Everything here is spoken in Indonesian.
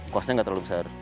kosnya nggak terlalu besar